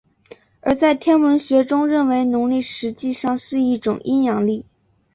而在天文学中认为农历实际上是一种阴阳历。